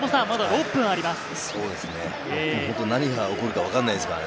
まだ６分あります。